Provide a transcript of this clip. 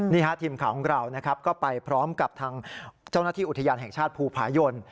ทีมข่าวของเรานะครับก็ไปพร้อมกับทางเจ้าหน้าที่อุทยานแห่งชาติภูผายน